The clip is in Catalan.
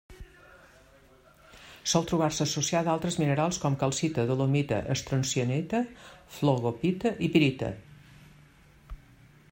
Sol trobar-se associada a altres minerals com: calcita, dolomita, estroncianita, flogopita i pirita.